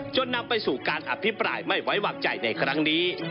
นำไปสู่การอภิปรายไม่ไว้วางใจในครั้งนี้